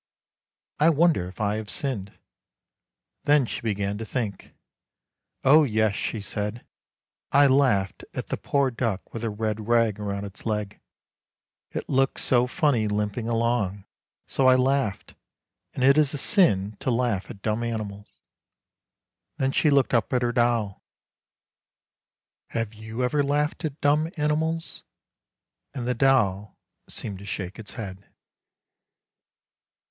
I wonder if I have sinned! ' Then she began to think. ' Oh, yes ' she said, ' I laughed at the poor duck with a red rag round its leg, it looked so funny limping along, so I laughed, and it is a sin to laugh at dumb animals.' Then she looked up at her doll. ' Have you ever laughed at dumb animals? ' And the doll seemed to shake its head."